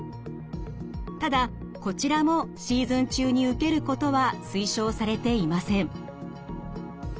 ただこちらもシーズン中に受けることは推奨されていません。